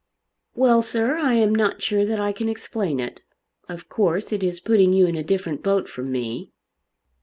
"Well, sir, I am not sure that I can explain it. Of course it is putting you in a different boat from me."